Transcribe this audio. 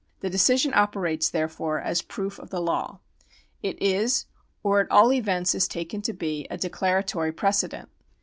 The decision operates, therefore, as proof of the law. It is, or at all events is taken to be, a declaratory precedent.